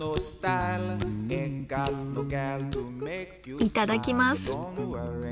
いただきます。